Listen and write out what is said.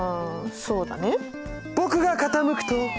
そうだね。